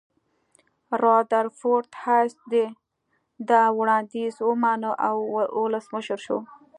رادرفورد هایس دا وړاندیز ومانه او ولسمشر شو.